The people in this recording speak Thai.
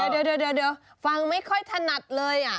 เดี๋ยวเดี๋ยวฟังไม่ค่อยถนัดเลย